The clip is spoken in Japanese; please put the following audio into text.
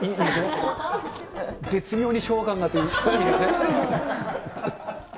絶妙に昭和感があっていいですね。